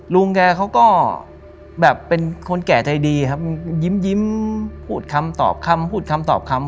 ลุงแกเขาก็แบบเป็นคนแก่ใจดีครับยิ้มพูดคำตอบคำพูดคำตอบคำ